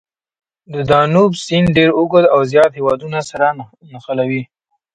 د دانوب سیند ډېر اوږد او زیات هېوادونه سره نښلوي.